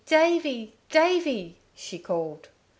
Davey! Davey!" she called.